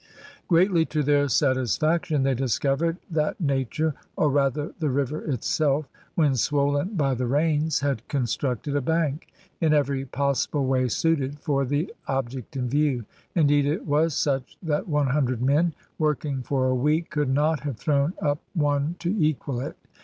Greatly to their satisfaction, they discovered that nature, or rather the river itself, when swollen by the rains, had constructed a bank, in every possible way suited for the object in view; indeed it was such, that one hundred men, working for a week, could not have thrown up one to equal it.